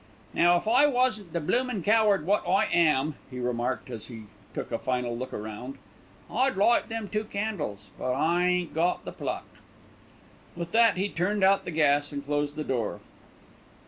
"Now if I wasn't the bloomin' coward wot I am," he remarked, as he took a final look round, "I'd light them two candles; but I ain't got the pluck." With that he turned out the gas and closed the door.